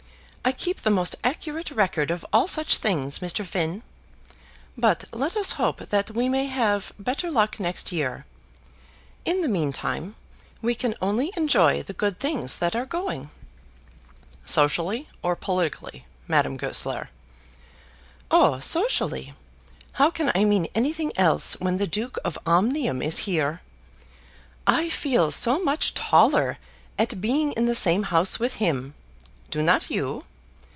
I keep the most accurate record of all such things, Mr. Finn. But let us hope that we may have better luck next year. In the meantime, we can only enjoy the good things that are going." "Socially, or politically, Madame Goesler?" "Oh, socially. How can I mean anything else when the Duke of Omnium is here? I feel so much taller at being in the same house with him. Do not you?